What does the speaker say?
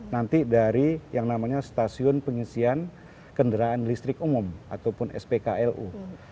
nanti dari yang namanya stasiun pengisian kendaraan listrik umum ataupun spklu